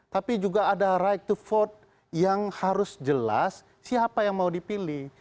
tapi juga ada right to vote yang harus jelas siapa yang mau dipilih